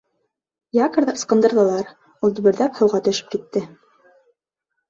Якорҙы ыскындырҙылар, ул дөбөрҙәп һыуға төшөп китте.